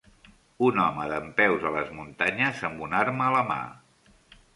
Un home dempeus a les muntanyes amb un arma a la mà